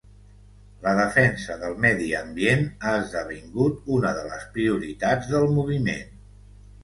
La defensa del medi ambient ha esdevingut una de les prioritats del moviment.